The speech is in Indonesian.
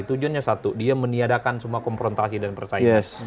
tujuannya satu dia meniadakan semua konfrontasi dan percaya